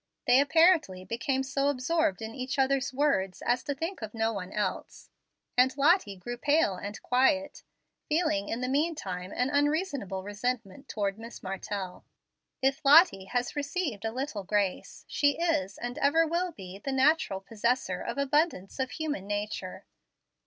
They apparently became so absorbed in each other's words as to think of no one else, and Lottie grew pale and quiet, feeling, in the mean time, an unreasonable resentment towards Miss Martell. If Lottie has received a little grace, she is, and ever will be, the natural possessor of abundance of human nature.